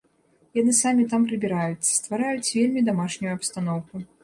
Яны самі там прыбіраюць, ствараюць вельмі дамашнюю абстаноўку.